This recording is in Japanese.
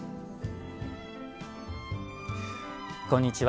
こんにちは。